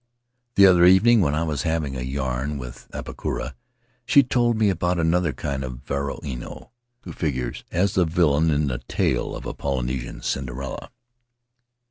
"The other evening, when I was having a yarn with Apakura, she told me about another kind of varua ino, w r ho figures as the villain in the tale of a Polynesian Cinderella.